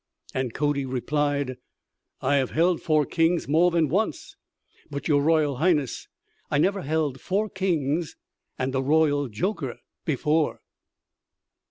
And Cody replied: "I have held four kings more than once. But, your Royal Highness, I never held four kings and a royal joker before."